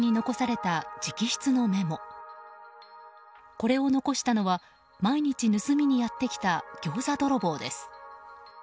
これを残したのは毎日盗みにやってきたギョーザ泥棒です。